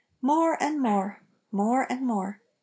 "More and more ! more and more